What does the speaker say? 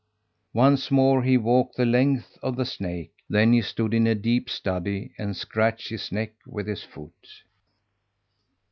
Once more he walked the length of the snake; then he stood in a deep study, and scratched his neck with his foot.